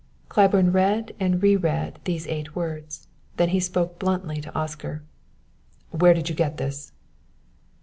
Claiborne read and re read these eight words; then he spoke bluntly to Oscar. "Where did you get this?"